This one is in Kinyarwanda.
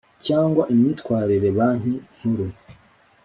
Cyangwa imyitwarire banki nkuru